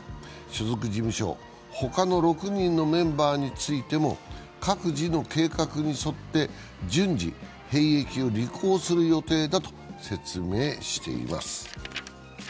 所属事務所、他の６人のメンバーについても各自の計画に沿って順次、兵役を履行する予定だと説明しています。